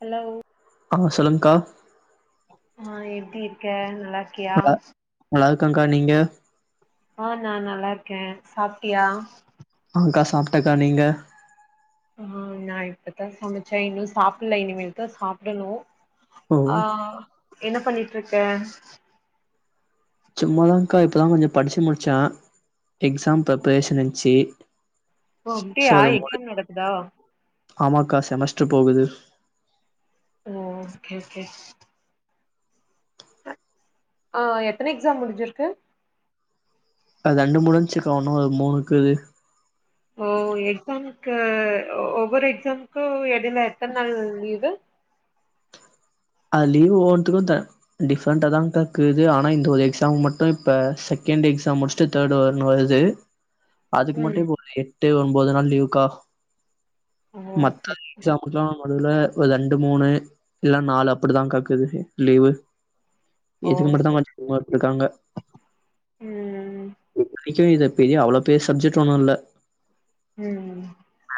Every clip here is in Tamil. ஹலோவ் ஆமா சொல்லுங்க்கா ஆ எப்டி இருக்க நல்லாரு நா நல்லா இருக்கங்க்கா நீங்க ஆ நா நல்லா இருக்கே சாப்டியா ஆங்க்கா சாப்டக்கா நீங்க ஆ நா இப்பதா சமச்சே இன்னு சாப்பில்ல இனிமேல் தா சாப்டணு ஓ ஆ என்ன பண்ணிட்ருக்க சும்மாதாங்கா இப்பதா கொஞ்ச படிச்சு முடிச்சே எக்ஸாம் பெப்ரேஷன் இந்ச்சி ஓ அப்டியா எக்ஸாம் நடக்குதா ஆமாக்கா செமஸ்டர் போகுது ஓ ஓகே ஓகே ஆ எத்தன எக்ஸாம் முடிஞ்சிருக்கு அது ரெண்டு முடுஞ்ச்சுக்கா உன்னு ஒரு மூணுக்குது ஓ எக்ஸாம்க்கு ஒவ்வொரு எக்ஸாம்க்கு எடைல எத்தன் நாள் லீவு அ லீவு ஒவ்வொன்த்துக்கு த டிஃப்ரெண்ட்டா தாங்க்காக்குது ஆனா இந்த ஒரு எக்ஸாம் மட்டு இப்ப செகண்டு் எக்ஸாம் முடிச்சிட்டு தேடு வர்ணு வருது அதுக்கு ம் மட்டும் இப்ப ஒரு எட்டு ஒம்போது நாள் லீவுக்கா ஓ மத்த செரி எக்ஸாம்க்குதா மொதல ஒரு ரெண்டு மூணு இல்ல நாலு அப்டிதாங்க்கா இக்குது லீவு ஓ இதுக்கு மட்டுந்தா செரி கொஞ்ச [inaudible] ருக்காங்க ம் இத்தனக்கி இது பெரிய அவ்ளோ பெரிய சப்ஜெக்ட் ஒன்னு இல்ல ம்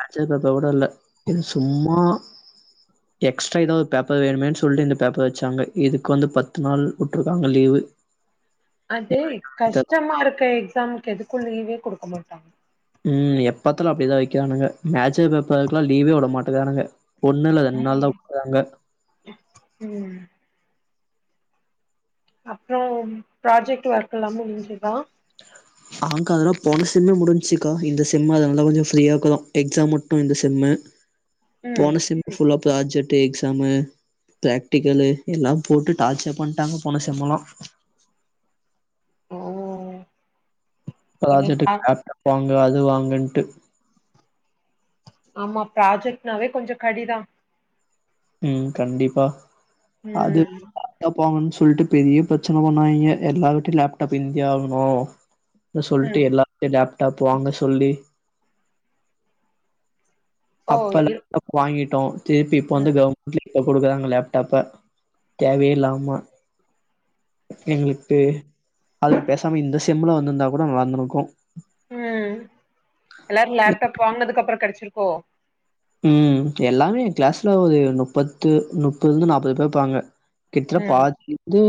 ஆன்சர் பேப்பர் கூட இல்ல இது சும்மா எக்ஸ்ட்ரா ஏதாது பேப்பர் வேணுமேன்னு சொல்ட்டு இந்த பேப்பர் வச்சாங்க இதுக்கு வந்து பத்து நாள் உட்ருக்காங்க லீவு அதே கஷ்டமா இருக்க எக்ஸாம்க்கு எதுக்கும் லீவே குடுக்க மாட்டாங்க ம் எப் பாத்தலு அப்டிதா வக்கிறானுங்க மேட்ச்சர் பேப்பருக்கெல்லா லீவே விட மாட்டேகிறானுங்க ஒண்ணு இல்ல ரெண் நாள்தா உட்ருராங்க ம் அப்புறொ ப்ராஜெக்ட் ஒர்க் எல்லாமே முடிஞ்சுதா ஆங்க்கா அதெல்லா போன செம்மே முடிஞ்ச்சுக்கா இந்த செம் அதனாலதா கொஞ்ச ஃப்ரீயாருக்குறோ எக்ஸாம் மட்டு இந்த செம்மு ம் போன செம்மு ஃபுல்லா ப்ராஜட்டு எக்ஸாமு பிராக்டிக்கலு எல்லா போட்டு டார்ச்சர் பண்ட்டாங்க போன செம்லா ஓ இன்னு ஆ ப்ராஜெட்டுக்கு லேப்டாப் வாங்கு அது வாங்குன்ட்டு ஆமா ப்ராஜெக்ட்னாவே கொஞ்ச கடிதா ம் கண்டிப்பா அது ம் போங்கன்னு சொல்ட்டு பெரிய பிரச்சன பண்ணாய்ங்க எல்லாருட்டயு லேப்டாப் இருந்தே ஆகணு அது சொல்ட்டு ம் எல்லாத்தையு லேப்டாப் வாங்க சொல்லி ஓ அப்ப இரு லேப்டாப் வாங்கிட்டோ திருப்பி இப்ப வந்து ம் கவுர்மெண்ட்ல இப்போ குடுக்குறாங்க லேப்டாப்ப தேவயே இல்லாம எங்களுக்கு அதுக்கு பேசாம இந்த செம்ல வந்துருந்தா கூட நல்லாருந்துருக்கு ம் எல்லாரு லேப்டாப் வாங்கனதுக்கு அப்புற கெடைச்சிருக்கோ ம் எல்லாமே ஏ கிளாஸ்ல ஒரு முப்பத்து முப்பதுல இருந்து நாப்பது பேர் இப்பாங்க கிற்ற ம் பாதிவந்து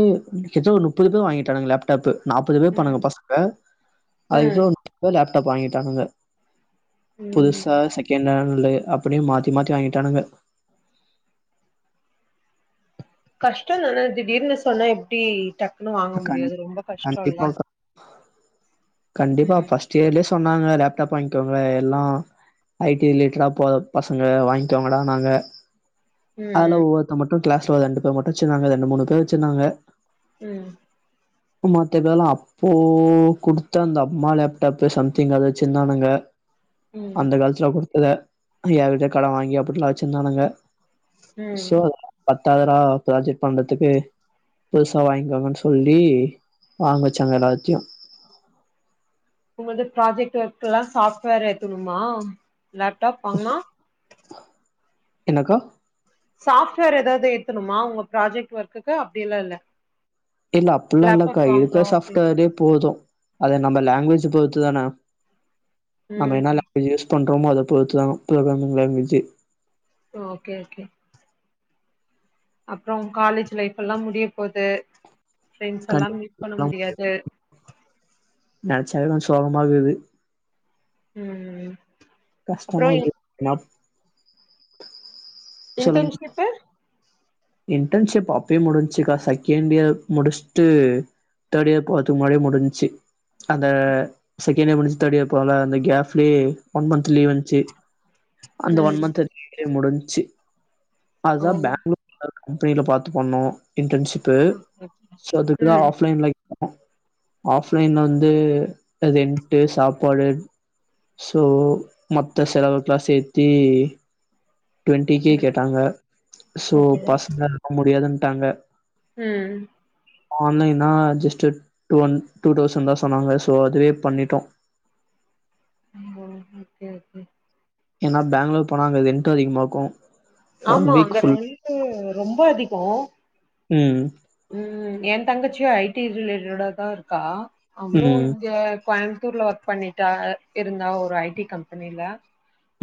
கிற்ற ஒரு முப்பது பேர் வாங்கிட்டானுங்க லேப் டாப்பு நாப்பது பேர் ம் இருப்பாணுங்க பசங்க அதுக்கிட்ட [inaudible] லேப்டாப் வாங்கிட்டானுங்க ம் புதுசா செகண்ட் ஹேண்ட்ல அப்டியே மாத்தி மாத்தி வாங்கிட்டானுங்க கஷ்ட தான திடீர்னு சொன்னா எப்டி டக்குன்னு வாங்க கண் முடியு அது ரொம்ப கஷ்ட இல்ல கண்டிப்பா கண்டிப்பா ஃபஸ்ட் இயர்லயே சொன்னாங்க லேப்டாப் வாங்கிக்கங்க எல்லா ஐ டி ரிலேட்டடா போற பசங்க வாங்கிக்கோங்கடான்னாங்க ம் அதுல ஒவ்வொருத்த மட்டு கிளாஸ்ல ஒரு ரெண்டு பேர் மட்டு வச்சிருந்தாங்க ரெண்டு மூணு பேர் மட்டு வச்சிருந்தாங்க ம் மத்ததெல்லா அப்போ குடுத்த அந்த அம்மா லேப்டாப்பு சம்திங் அத வச்சுந்தானுங்க ம் அந்த காலத்துல குடுத்தத யார்கிட்டயோ கடன் வாங்கி அப்டில்லா வச்சிருந்தானுங்க ம் சோர் பத்தாதுரா ப்ராஜெக்ட் பண்றதுக்கு புதுசா வாங்கிக்கோங்கன்னு சொல்லி வாங்க வச்சாங்க எல்லாத்தையு உங்களுது ப்ராஜெக்ட் ஒர்க் எல்லா சாஃப்ட்வேர் ஏத்தணுமா லேப்டாப் வாங்குனா என்னக்கா சாஃப்ட்வேர் ஏதாது ஏத்துணுமா உங்க ப்ராஜெக்ட் ஒர்க்குக்கு அப்டியெல்லா இல்ல இல்ல அப்பில்லா இல்லக்கா லேப்டாப் வாங்குறோ இருக்கற அப்டின்னு சாஃப்ட்வேர்லே போது அது நம்ம லாங்குவேஜ் பொறுத்து தான நம்ம என்ன ம் லாங்குவேஜ் யூஸ் பண்றோமோ அத பொறுத்து தா ப்ரோக்ராமிங் லாங்குவேஜு ஓகே ஓகே அப்றோம் காலேஜ் லைஃப்ல்லா முடிய போது ப்ரெண்ட்ஸ்ல்லா மீட் பண்ண கண்டிப்பா முடியு முடியாது நெனச்சாவே எனக் சோகமாகுது ம் ம் கஷ்டமா இருக்கு மார்ஸ் இன்டன்ஷிப்ட்ட இன்டர்ன்ஷிப்பு அப்பயே முடிஞ்சுக்கா செகண்ட் இயர் முடிஷ்ட்டு தேர்ட் இயர் போறதுக்கு முன்னாடியே முடிஞ்ச்சு அந்த செகண்ட் இயர் முடிச்சு தேர்ட் இயர் போறல்ல அந்த கேஃப்லயே ஒன் மந்த் லீவ் வந்ச்சு அந்த ஒன் ம் மந்த் லீவ்லயே முடிஞ்ச்சு ஓ அதுதா பேங்களூர் எதாது கம்பெனியில பாத்து பண்ணோ இன்டர்ன்ஷிப்பு ஓகே சோ அதுக்குதா ம் ஆஃப்லைன்ல ஆஃப்லைன் வந்து ரென்ட்டு சாப்பாடு சோ மத்த செலவுக்லா சேத்தி டு்வெண்ட்டி கே ம் கேட்டாங்க சோ ஓகே பசங்க அதெல்லா முடியாதுன்ட்டாங்க ம் ஆன்லைனா just two and two thousand தா சொன்னாங்க சோ அதுவே பண்ணிட்டோ ம் ஓகே கேக்கு ஏன்னா பேங்களூர் போனா அங்க ரென்ட்டு அதிகமா இருக்கும் ஆமா அங்க ரென்ட்டு ரொம்ப அதிகம் ம் ம் என் தங்கச்சியு ஐ டி ரிலேட்டடா தா இருக்கா அவளு ம் இங்க கோயம்புத்தூர்ல ஒர்க் பண்ணிட்டா இருந்தா ஒரு ஐ டி கம்பெனில்ல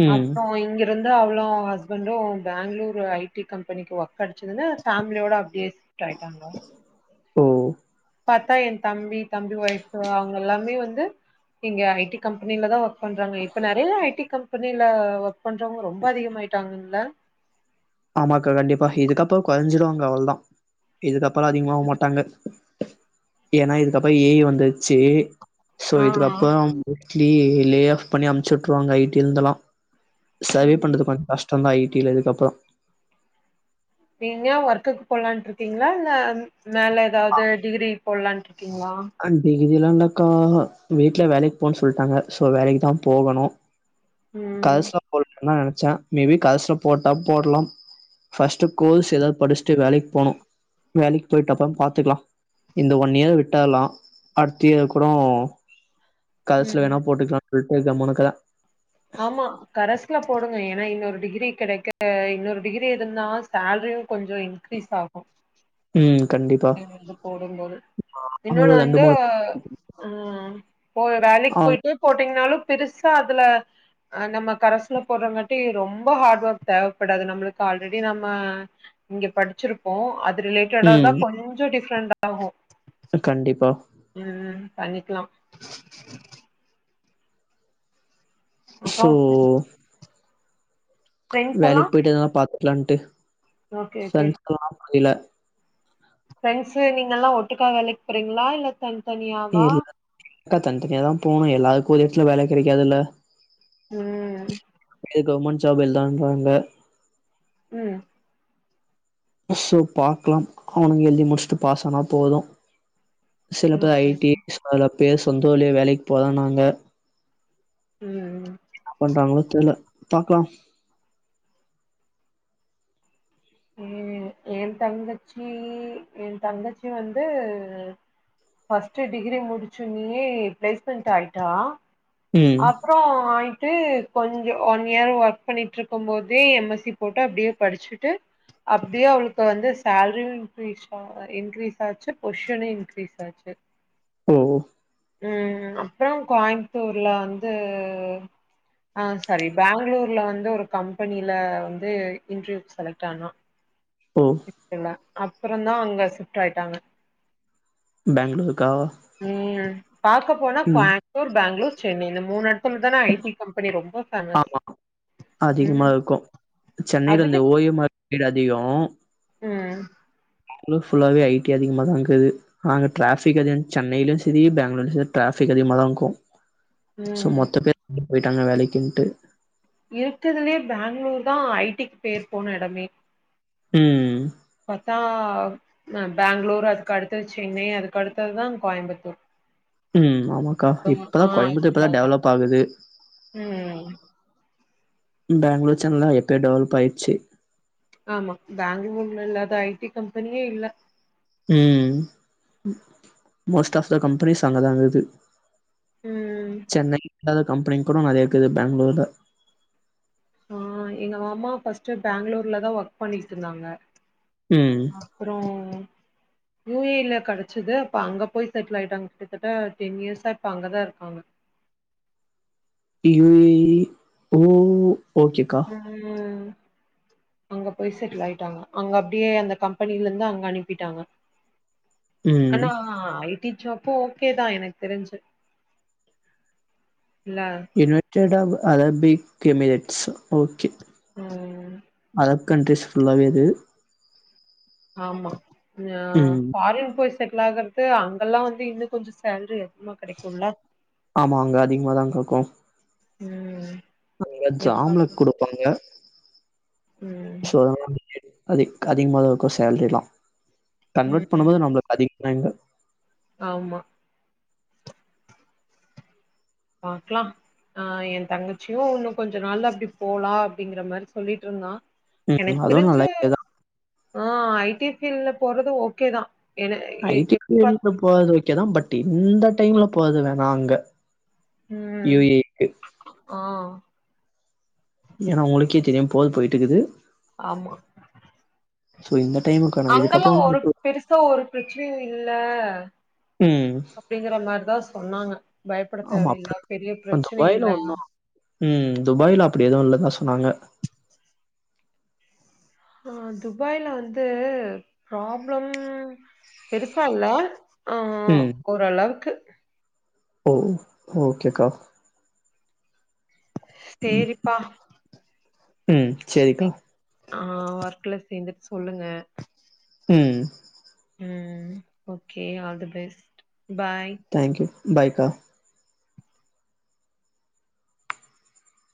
ம் அப்பவ் இங்கிருந் து அவுளு அவ ஹஸ்பண்ட்டும் பேங்ளூர்ல ஐ டி கம்பெனிக்கு ஒர்க் கடச்சதுனு பேமிலியோட அப்டியே ட் ஆய்ட்டாங்கா ம் பாத்தா என் தம்பி தம்பி ஒய்ஃப்பு அவுங்க எல்லாமே வந்து இங்க ஐ டி கம்பெனில்ல தா ஒர்க் பண்றாங்க இப்ப நெறைய ஐ டி கம்பெனில்ல ஒர்க் பண்றவங்க ரொம்ப அதிகமாயிட்டாங்ள ஆமாக்கா கண்டிப்பா இதுக்கப்றோ கொறஞ்சிருவாங்க அவுள்தா இதுக்கப்புறோ அதிகமா ஆவ் மாட்டாங்க ஏன்னா இதுக்கப்பறோ ஏ எ வந்துருச்சி சோ ஆ இதுக்கப்றோ மோஸ்ட்லி லே ஆஃப் பண்ணி அம்ச்சு உட்ருவாங்க ஐ டிலந்துலா சர்வே ம் பண்றது கொஞ் கஷ்டந்தா ஐ டி ல இதுக்கப்பறோ நீங்க ஒர்க்குக்கு போலான்ட் இருக்கீங்ளா இல்ல மேல எதாவ்து டிகிரி போல்லான்ட்டு இருக்கீங்ளா அ டிகிரில்லா இல்லக்கா வீட்ல வேலைக்கு போன் சொல்ட்டாங்க சோ வேலைக்கு தா போகணு ம் கரஸ்ல போல் தா நெனச்ச மேபி கரஸ்ல போட்டா போட்லாம் ஃபர்ஸ்ட்டு கோர்ஸ் எதாவ்து படிஷ்ட்டு வேலைக் போணு வேலைக் போய்ட்டு அப்றம் பாத்துக்லா இந்த ஒன் இயர் விட்டால்லா அடுத்த இயர் கூட கரஸ்ல ம் வேணா போட்டுக்லாம் விட்டு கம்முன்னுக்குற ஆமா கரஸ்ல போடுங்க ஏன்னா இன்னொரு டிகிரி கெடைக்க இன்னொரு டிகிரி இருந்தா சேல்ரியும் கொஞ்சோ இன்க்ரீஸ் ஆகும் ம் கண்டிப்பா எழுந்து வந்து போடுன்பாரு இன்னொன்னு அவங்க ரெண்டு வந்து மூணு ம் போய் வேலைக்கு அவங்க போய்ட்டு போட்டீங்ன்னாலும் பெருசா அதுல அ நம்ம கரஸ்ல போட்றங்காட்டி ரொம்ப ஹார்ட் ஒர்க் தேவப்படாது நம்ளுக்கு ஆல்ரெடி நம்ம இங்க படிச்சிர்ப்போம் அது ரிலேட்டடாதா ம் கொஞ்ச டிஃப்ரெண்ட் ஆகு கண்டிப்பா ம் ம் பண்ணிக்லாம் அப்றோ சோ ஃப்ரெண்ட்ஸ் எல்லா வேலைக் போய்ட்டு தா பாத்துக்லான்ட்டு ஓகே ஓகே சன் [unintelligible] முடில ப்ரெண்ட்ஸ் நீங்கலா ஒட்டுக்கா வேலைக் போறீங்களா இல்ல தனி தனியாவா அக்கா தன் தனியா தா போணு எல்லருக்கு ஓரே எடத்துல வேல கெடைக்காதுல்ல ம் இது கவுமண்ட் ஜாப் எல்லான்றாங்க ம் ஸோ பாக்கலாம் அவுனுங்க எழுதி முடிச்சுட்டு பாஸ் ஆனா போது சில பேர் ஐ ஓகே டி சில பேர் சொந்த ஊர்லே வேலைக் போறன் நாங்க ம் ம் பண்றாங்களோ தெர்ல பாக்லாம் ம் என் தங்கச்சி என் தங்கச்சி வந்து ஃபர்ஸ்ட்டு டிகிரி முடிச்சுன்னியே பிளேஸ்மண்ட் ஆய்ட்டா [inaudible] பேய்ட்டு கொஞ்சோ ஒன் இயர் ஒர்க் பண்ணிட்ருக்கும் போதே எம் எஸ் சி போட்டு அப்டியே படிச்சுட்டு அப்டியே அவளுக்கு வந்து சால்ட்ரியு இன்கரீஸ் ஆவு அ இன்கிரீஸ் ஆச்சு பொஸிஷனு இன்க்ரீஸ் ஆச்சு ஓ ம் அப்றோ கோய்ம்த்தூர்ல வந்து ஆ சாரி பெங்களூர்ல வந்து ஒரு கம்பெனில வந்து இன்டர்வியூ செலக்ட் ஆனா ஓ எல்லா அப்பறந்தா அங்க ஷிப்ட் ஆய்ட்டாங்க பெங்லூர்க்கா ம் பாக்க போனா கோயம்பத்தூர் பெங்ளூர் சென்னை இந்த மூணு எடத்துல தான ஐ டி கம்பெனி ரொம்ப பேமஸ் ஆமா அதிகமா இருக்கு சென்னைல அதுல இருந்த ஓ எம் ஆர் [unintelligible] அதிகோ ம் இன்னு ஃபுல்லாவே ஐ டி அதிகமா தாங்குது அங்க டிராஃபிக் [unintelligible] சென்னையிலு சரி பெங்களூர்லியு சரி டிராபிக் அதிகமா தா க்கு சோ ம். மொத்த பேர் [unintelligible] போலைக்கின்ட்டு இருக்கதுலயே பெங்களூர் தா ஐ டி க்கு பேர் போன எடமே ம் பத்தா ம பெங்களூர் அதுக்கடுத்த சென்னை அதுக்கடுத்ததுதா கோயம்புத்தூர் ம் ஆமாக்கா இப்பதா ஆ. கோயம்புத்தூர் இப்பதா டெவலப் ஆகுது ம். பெங்களூர் செனலா எப்பயோ டெவலப் அயிட்ச்சு ஆமா பெங்லூர்ல இல்லாத ஐ டி கம்பெனியே இல்ல ம் மொஸ்ட் ஆஃப் த கம்பெனிஸ் அங்க தா இக்குது ம் சென்னை இல்லாத கம்பெனி கூட நறைய இருக்குது பெங்ளூர்ல ஆ எங்க மாமா ஃபர்ஸ்ட்டு பெங்ளூர்ல தா ஒர்க் பண்ணிட்ருந்தாங்க ம் அப்பரோ யுஏல கிடைச்சது அப்ப அங்க போய் செட்டில் ஆயிட்டாங்க கிட்டத்தட்ட டென் இயர்ஸா இப்ப அங்கதா இருக்காங்க ஊவி ஓ ஓகேக்கா ம் அங்க போய் செட்டில் ஆயிட்டாங்க அங்க அப்டியே அந்த கம்பெனியில இருந்து அங்க அனுப்பிட்டாங்க ம் அண்ணா ஐ டி ஜாபு ஓகேதா எனக்கு தெரிஞ்சு இல்ல ுனனைட்டட் அ அரபிக எமிரேட்ஸ் ஓகே ஹம் அரபப் கண்ட்ரிஸ் ஃுல்லாவே இது ஆமா ம் ஃபாரின் போய் செட்டில் ஆகாரத்துக்கு அங்கெல்லா வந்து இன்னு கொஞ்ச சேல்ரி அதிகமா கிடைக்கும்ல ஆமா அங்க அதிகமாதா கேக்கும் ம் அங்க ம் ஜாம்ல குடுப்பாங்க சோ [unintelligible] அதிக அதிகமாகா இருக்கும் சேல்ரிலா கன்வெர்ட் ம் பண்ணும்போது நம்மளுக்கு அதிகமாக இங்க ஆமா பாக்கலா ஆஹ் எய தங்கச்சியு இன்னு கொஞ்ச நாள்ல அப்டி போலா அப்டிங்கிற மாதிரி சொல்லிட்டு இருந்தா ம். எனக்கு அதுவும் நல்ல தெரிஞ்சு ஐடியா தான். ஆஹ் ஐடி பீல்டல போறது ஓகே தா என எ ஐடி எப்ப பீல்டுல போரது ஓகேதா பட் இந்த டைம்ல போரது வேணா அங்க. யூ ம் ஏ ஆ ஏன்னா உங்களுக்கே தெரியு போர் போய்ட்டு இருக்குது ஆமா சோ இந்த டைமுக்கான அங்கல்லா இதுக்கப்புறம் ஒரு உங்களுக்கு பெருசு சா ஒரு பிரச்சனையு இல்ல ம் அப்டிங்கற மாதிரிதா சொன்னாங்க பயப்பட ஆமா தேவையில்ல அப்ப பெரிய பிரச்சன துபாய்ல இல்ல ஒண்ணும் ம் துபாயில் அப்டி எதுவும் இல்ல தா சொன்னாங்க ஆஹ துபாய்ல வந்து பராப்ளம் பெருசா இல்ல ஆ ம் ஓரளவுக்கு ஓ ஓகேக்கா சேரிப்பா ம். சேரி சரிக்கா. ஆஹ் ஒர்க்ல சேர்ந்துட்டு சொல்லுங்க ம் ம் okay all the best bye thank you பாயக்கா